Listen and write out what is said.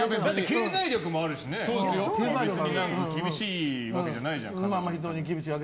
経済力もあるし別に何か厳しいわけじゃないじゃん。